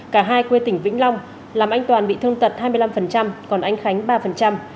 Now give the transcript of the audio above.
cả hai quê tỉnh vĩnh long làm anh toàn bị thương tật hai mươi năm còn anh khánh ba